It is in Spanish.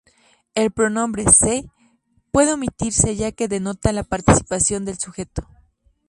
El pronombre "se" puede omitirse ya que denota la participación del sujeto.